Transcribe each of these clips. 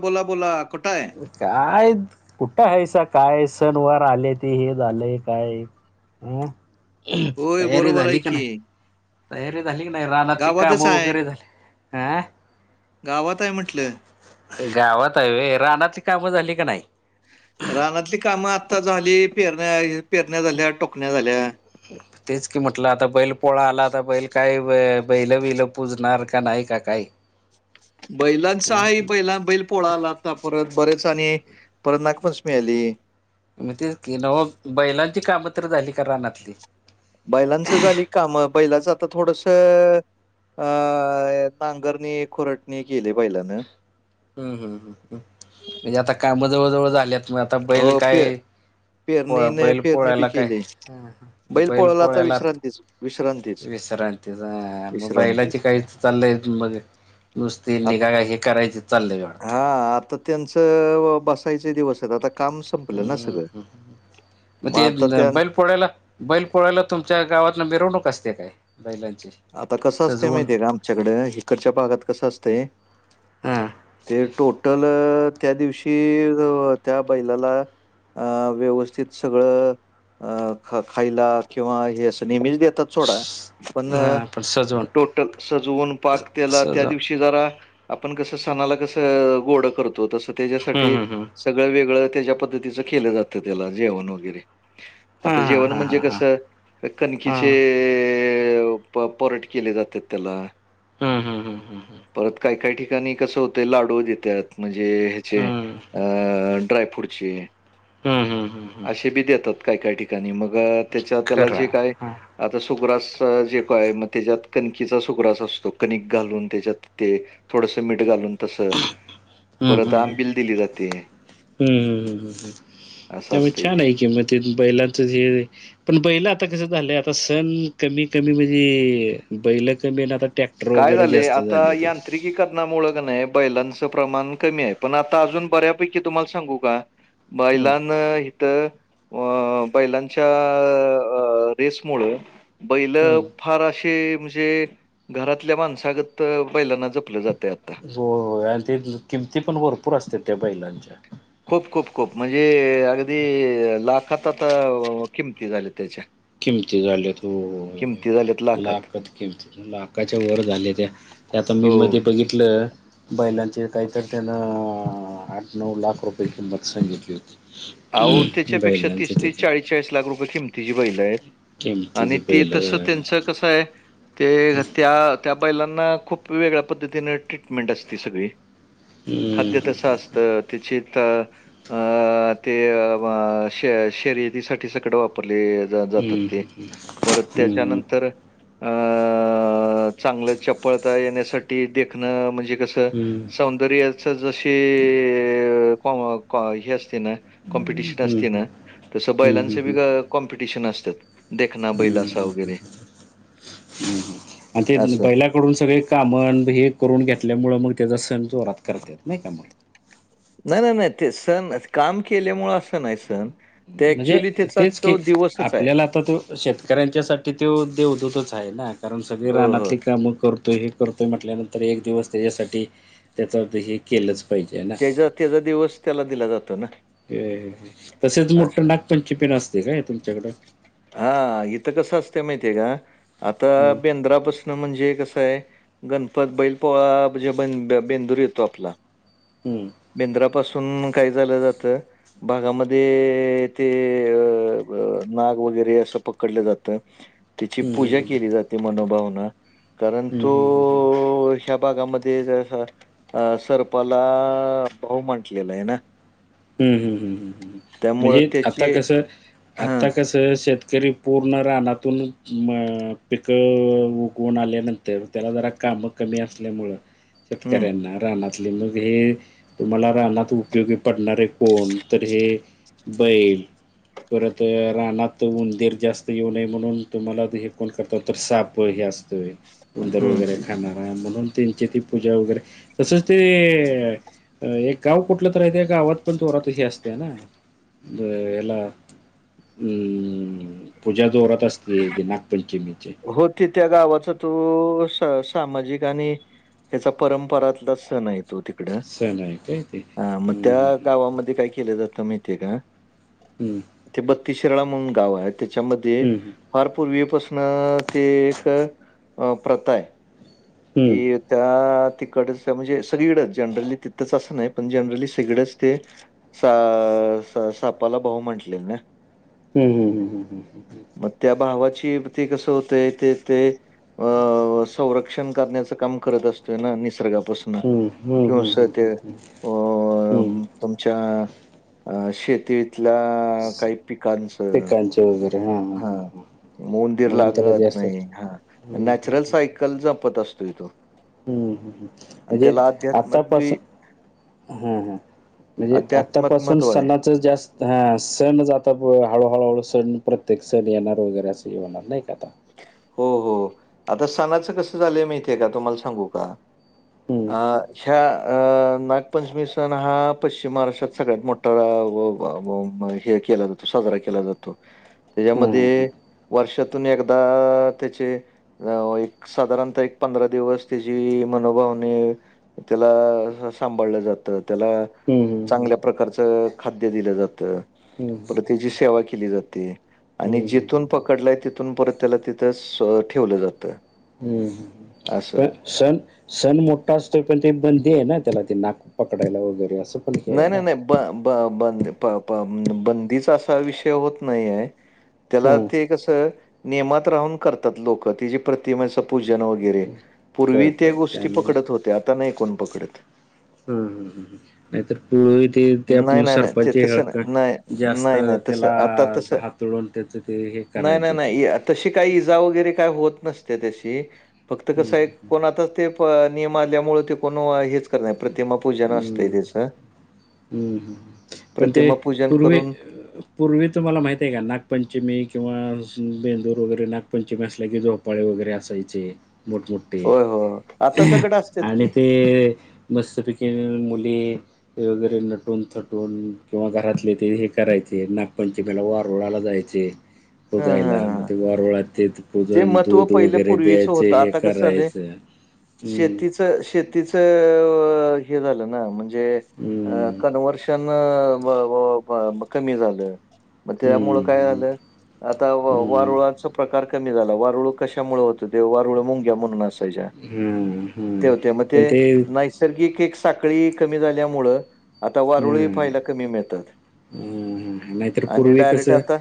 बोला बोला कुठ आहे? काय कुठं आहेसा काय सण वार आले ते हे झालंय काय? हुं होय तयारी बरोबर आहे झाली का की नाही? तयारी झाली की नाय रानातली गावातच कामं आहे वगैरे झाली अं गावात आहे म्हटलं गावात आहे व्हयं रानातली काम झाली का नायी? रानातली कामं आता झाली, पेरण्या पेरण्या झाल्या टोकण्या झाल्या. तेच की म्हटलं आता बैल पोळा आला आता बैल काय बैल बिल पुजणार का नाही का काही? बैलांचं आहे बैला बैल पोळाआला आता परत, बरेच आणि परत नागपंचमी आली. मग तेच की नव बैलांची कामं तर झाली का रानातली? बैलांचं झाली काम बैलाचं आता थोडस अ नागरणी खुरटणी केली बैलान. हुं हुं हुं म्हणजे आता काम जवळ जवळ झाल्यात मग आता बैल हो पे काय पो- पेरणीने बैल पेरणी बी पोळ्याला काय केली हा, हा. बैल पोळाला आता विश्रांतीच विश्रांत विश्रांतीचं आ मग बैलाची काहीच चाललंय मजेत? नुसती निगा राकी करायचे चाललंय. हा आता त्यांचं बसायचे दिवस आहेत आता काम संपलं ना हूं सगळं. हं म मग ते आता त्या बैल पोळ्याला बैल पोळायला तुमच्या गावातन मिरवणूक असते काय बैलांची? आता कसं असतय सजवून माहिती हेे का आमच्याकडं हिकडच्या भागात कसं असतय हां ते टोटल त्या दिवशी जव त्या बैलाला अ व्यवस्थित सगळं अ ख खायला किंवा हे असं नेहमीच देतात सोडा पण अ, [inaudible] टोटल सजवून पाक त्याला त्या सजवून दिवशी की जरा आपण कस सणाला कस गोड करतो तस हम्म, त्याच्यासाठी हम्म, हम्म. सगळं वेगळं त्याच्या पद्धतीचं केलं जातं त्याला जेवण वगैरे आता हां जेवण हां हां म्हणजे हां हां कसं कणखकीचे हां ए.... प परोठे केले जातात त्याला हूं हूं हूं! परत काही, काही, ठिकाणी कसं होतंय लाडू देतात म्हणजे चे हम्म, अ ड्राय फ्रूटचे हम्म, हम्म, हम्म, हम्म.. का काही ठिकाणी म त्याच्या त्या खरं जे आहे. काय हां आता मग त्याच्यात कनीचा सुक्रास असतो कणिक घालून त्याच्यात ते थोडस मीठ घालून तस हम्म, परत हम्म, आंबिल दिली जाते. हम्म, हम्म, हम्म, हम्म, हम्म असं त्यामुळे असतंय ते. छान आहे किमते बैलाच जे पण बैल आता कस झालं आता सण कमी, कमी म्हणजे बैल कमी आता ट्रॅक्टर काय वगैरे झालेय जास्त आता झाले यांत्रिक ते यांत्रिकी करनामुळे की नाही बैलांच प्रमाण कमी आहे पण आता अजून बऱ्यापैकी तुम्हाला सांगू का हम्म बैलांना‌ तर अ बैलांच्या रेस मुळ बैलं हम्म फाराशे म्हणजे घरातल्या माणसागत बैलांना जपलं जाते आता. हो ते किमती पण भरपूर असते त्या बैलांच्या. खूप, खूप, खूप म्हणजे अगदी लाखात आता किमती झाल्या त्याच्या. किमती झाल्यात हो किमती झाल्यात लाखात किमती लाखाच्या वर झालेल्या. आता मी हो. मध्ये बघितलं बैलांचे काहीतर त्यांना आठ, नऊ लाख रुपये किंमत सांगितली होती. अहो त्याच्यापेक्षा बैलांचे तीस, तीस, त्याच्या चाळीस, चाळीस लाख रुपये किमतीची बैल आहेत. आणि किमतीची ते बैल तसं त्यांचं कस आहे. ते त्या त्या बैलांना खूप वेगळ्या पद्धतीने ट्रीटमेंट असते सगळी खाद्य हम्म तस असतं त्याची अं ते श शर्यतीसाठी सकड वापरले जातात ते आणि परत त्याच्यानंतर अ चांगल चपळता येण्यासाठी देखण म्हणजे कस सौंदर्याच जशी हे असते ना कॉम्पिटिशन असते ना तसं बैलांच बी कॉम्पिटिशन असतात. देखना बैल असा हम्म वगैरे आणि ते असं. बैयला कडून सगळे कामन हे करून घेतल्यामुळे मग त्याचा सण जोरात करतात नाही का मग? नाही, नाही, नाही ते सण काम केल्यामुळे असं नाही सण ते म्हणजे ऍक्च्युली तेच की आपल्याला आता तो शेतकऱ्यांच्यासाठी तो देवदूतच आहे ना कारण सगळे हो, हो. रानातली कामं करतोय करतोय म्हटल्यानंतर एक दिवस त्याच्यासाठी त्याच हे केलंच पाहिजे ना त्याचा त्याचा दिवस त्याला दिला जातो ना. तसेच मोट्ट असं. नागपंचमी पण असते काय तुमच्याकड? हा इथं कस असते माहितीय हाय का आता हम्म बेंद्रापसून म्हणजे कस आहे गणपत, बैल पोळा म्हणजे ब बेंदूर येतो आपला हम्म. बेंद्रापासून मी काय झाल जात भागामध्ये ते अ नाग वगैरे असं पकडले जाता. ह [inaudible] त्याची पूजा केली जाते मनोभावन कारण हम्म तो हम्म हम्म या भागांमध्ये सरपाल ला भाऊ म्हटलेल आहे ना. हम्म, हम्म, हम्म त्यामुळं म्हणजे आता त्याची कसं हां, आता कसं त शेतकरी पूर्ण रानातून म पिकं उगवून आल्यानंतर तर त्याला जरा काम कमी असल्यामुळ हं, शेतकऱ्यांना रानातले मुग हे तुम्हाला रानात उपयोगी पडणारे कोणत तर हे बैल परत रानात उंदीर जास्त येऊ नये म्हणून तुम्हाला हे कोण करतात तर साप हे असता. [unintelligible] बंदर हं. वगैरे खाणाराय आहे म्हणून त्यांची ती पूजा वगैरे तसचं ते एक गाव कुठलं तर हाय त्या गावात पण थोड ते हे असतय ना हे हेला हम्म पूजा जोरात असते ती नागपंचमीची हो ते त्या गावाचा तो स सामाजिक आणि - ह्याचा परंपरातलाच सण हाय तो सण आहे काय ते? हा मग हं, त्या हं, गावामध्ये काय केलं जात माहितीय का हम् ते बत्तीसशिराळा म्हणून गाव आहे त्यांच्यामध्ये हं, फार पूर्वीपासन ते एक अ प्रथा हाय हं. की त्या तिकडेच म्हणजे सगळंकडे जनरली तिथंच असं नाही पण जनरली सगळंच ते सा स सापाला भाऊ म्हटलेल ना हम् हम् ह् हम हम हम ह मग त्या भावाची ती कस होतय ते ते अ संरक्षण ण्याच काम करत असतोय ना निसर्गापासून हं, हं, हं, व्यवसात ते हं, हं, अ हं. म तुमच्या अ शेतीतल्या काही पिकांचं म्हचेे होैर ह हा उंदीर लागत जास्त नाही हा हम्म, हम्म, नॅचरल सायकल कल जपत असतो तो हम्म हम् आणि म्हणजे त्याला अध्यात्मात बी आतापासून हा ह म्हणजे अध्यात्मात आतापासून महत्त्व आहे. सना तर जास्त हां सण ज च हळूहळूहळू सण प्रत्येक सण येणार वगैरे असं होणार नाही का आता हो हो आता सणाचं कसं झालंय माहितीेय का तुम्हाला सांगू का हं, आ ह्या अ नागपंचमी सण हा पश्चिम महाराष्ट्रात सगळ्यात मोठा हे केला जातो तो साजरा केला जातो [unintelligible] तेज्यामध्ये हं. वर्षातून एकदा त्याचे अ एक साधारणतः एक पंधरा दिवस तेजी मनोभावाने त्याला अ सांभाळलं जातं त्याला अ हम् चांगल्या प्रकारचं खाद्य दिलं जातं हं, हं, पर त्याची सेवा केली जाते आणि हं, हं, जिथून हं, पकडलाय तिथून परत त्याला तिथं सो ठेवलं जातं हं. हं. असं पण सण सण मोठा असतो पण ते बंदी आहे ना त्याला ते नाग पकडायला वगैरे असं पण हे आहे नाही ना. नाही नाही ब ब ब प प बंदीचा असा विषय होत नाही आहे त्याला हं, ते कसं नियमात राहून करतात लोक तिची प्रतिमा पूजन वगैरे पूर्वी त्या कळतं काय गोष्टी म्हणजे पकडत होते आता नाही कोण पकडत हं हं हं ह नाही तर पूर्वी ते त्या नाही, नाही, नाही. ते सरपंच ह तसं क नाही. नाही, हक्क जास्त नाही, नाही. तसं त्याला आता तसं ह तोडून त्याचं ते हे नाही, नाही, करायचे ते नाही. इ तशी काही इजा वगैरे काय होत नसते त्याशी फक्त हं हं कसं आहे हं. कोण आता ते नियम आल्यामुळे ते कोण हेच कर नाही प्रतिमा पूजन असतय त्याचं अ ह ह पण ते प्रतिमा पूजन पूर्वे करून पूर्वी तुम्हाला माहित आहे का नागपंचमी किंवा बेंदूर वगैरे नागपंचमी असल्या की जो झोपाळे वगैरे असायचे मोठमोठे होय, होय. आता सगळं असतात आणि की. ते है मस्तपैकी मुली ते वगैरे नटून थटून किंवा घरातले ते हे करायचे, नागपंचमीला वारूळाला जायचे. हा हा पूजायला. म हा ते वारुळात ते जे पूजन महत्त्व दूध पहिलं वगैरे पूर्वीच द्यायचं, होतं हे आता करायचं हम्म. शेतीच हे झालं ना, म्हणजे हम्म कनवर्शन अ -कमी झालं, मग त्यामुळ काय हम्म झालं? आता हम्म वारुळाच प्रकार कमी झाला. वारुळ कशामुळे होतं होते? वारुळ मुंग्या म्हणून असं तेज्या. हम्म ते हम्म होते, मग ते पण नैसर्गिक एक साखळी कमी झाल्यामुळ आता वारुळही हम्म पाहायला कमी मिळतात. हम्म नाहीतर आणि पूर्वी डायरेक्ट कसं आता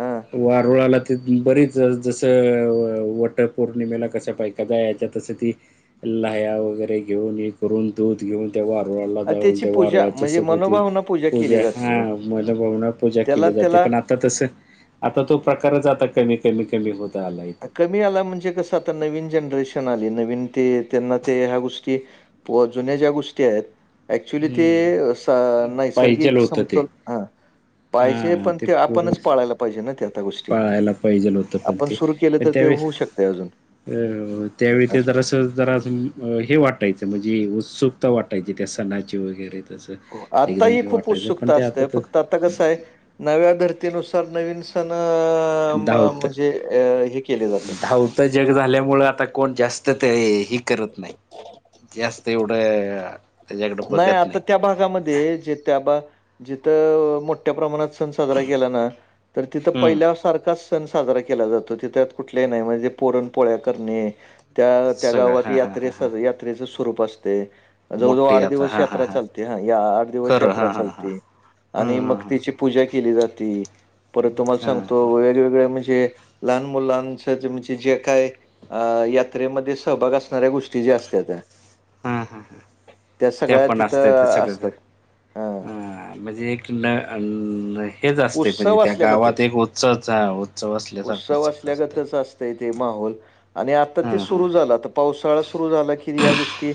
हा वारुळाला ते बरीच जसं- वट पौर्णिमेला कस बायका जायाच्या तसं ती लाह्या वगैरे घेऊन, हे करून दूध घेऊन ते वारूळाला अ, जाऊन त्याची ते पूजा वारूळाला म्हणजे तसं भवती मनोभावना केली पूजा जाते हा, हो. मनभावना पूजा त्याला केली जाते. त्याला पण आ आता तस आता तो प्रकारच आता कमी कमी कमी होत आलाय इथ. कमी आला म्हणजे कसं आता नवीन जनरेशन आली, नवीन ते त्यांना ते ह्या गोष्टी व जुन्या ज्या गोष्टी आहेत ऍक्च्युली ते हम्म स पाहिजेल नैसर्गिक होतं ते समतोल ह पाहिजे हा पण ते आपणच पूर्वी पाळायला पाहिजे ना त्या त्या गोष्टी. पाळायला पाहिजेल होतं पण आपण ते सुर केलं पण तर ते त्यावेळेस होऊ शकत अजून, अस. त जरा हे वाटायचं म्हणजे उत्सुकता वाटायची, त्या सणाची वगैरे तसं. आत्ता एकदम ही हे खूप वाटायचं पण उत्सुकता ते आता असते, तर फक्त आता कसय, नव्या धर्तीनुसार नवीन सण म - म धावतं म्हणजे हे केले जातात धावतं जग झाल्यामुळे आता कोण जास्त ते हे करत नाही जास्त एवढं त्याच्याकडं नाही बघत आता त्या भागामध्ये जे त्या बा, जिथ मोठ्या प्रमाणात सण साजरा केलं ना, तर तिथ हं. पहिल्या सारखाच सण साजरा केला जातो त त्यात कुठले नाही म्हणजे पोरण पोळ्या करणे त्या त्या सगळं गावात हां, हां, यात्रे यात्रेचं स्वरूप असतय.. मोठे या दिवस यात्रा चालत्या, या आठ दिवस यात्रा हां, हां, हां. चालती. हं, आणि मग हं, हं. तीची पूजा केली जाती. परत तुम्हाला हं, सांगतो हं. वेगवेगळ्या म्हणजे लहान मुलांच म्हणजे जे काय अ- यात्रेमध्ये सहभाग असणाऱ्या गोष्टी ज्या असत्यात्या हा हा. त्या पण असत्यात्या तिथं सगळं जर असतात. हा हं म्हणजे एक न- नई हेच असतय पाहिजे उत्सव त्या गावात असल्यागतच एक उत्सवचा उत्सव उत्सव असल्यासारखंच असतंय. असल्यागतच ते माहोल. आणि आता ते हां, हां. सुरू झालं आता पावसाळा सुरु झाला की ह्या गोष्टी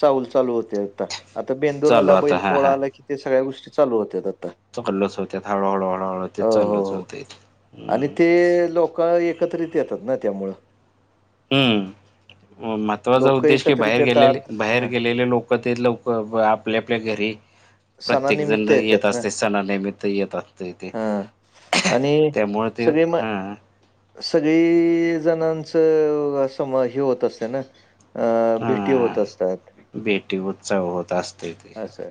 चाहूल चालू होते आता आता. आता बेंदूर चालू आला, आता बैल हां, पोळा हां. आला कि ते सगळ्या गोष्टी चालू होत्यात आता. चालूच होत्यात, हळूहळू हळूहळू ते हो हो चालच हो. होतय. आणि ते लोक एकत्रित येतात ना त्यामुळं. हम्म महत्त्वाचा लोक उद्देश की एकत्रित बाहेर येतात. गेलेले, बाहेर हा गेलेले लोक ते लवक आपल्या आपल्या घरी प्रत्येक जण सणानिमित्त येत येतात ना असतय सणानिमित्त येत असतं ते इथे, हा आणि त्यामुळ ते सगळे म हां सगळी जणांच अस म, हे होत असते ना. अ भेटी हां. होत असतात. भेटी उत्सव होत असते ते. असं.